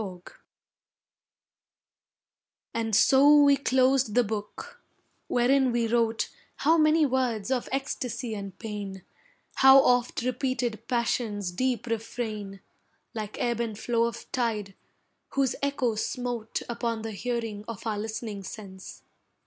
FINIS And so we closed the book, wherein we wrote How many words of ecstasy and pain, How oft repeated passion's deep refrain, Like ebb and flow of tide, whose echo smote Upon the hearing of our listening sense.